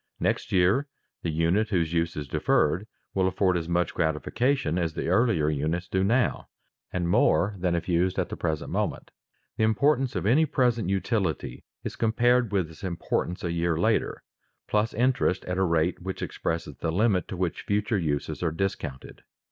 Next year the unit whose use is deferred will afford as much gratification as the earlier units do now, and more than if used at the present moment. The importance of any present utility is compared with its importance a year later, plus interest at a rate which expresses the limit to which future uses are discounted.